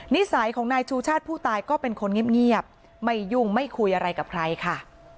นิสัยของนายชูชาติผู้ตายก็เป็นคนเงียบไม่ยุ่งไม่คุยอะไรกับใครค่ะ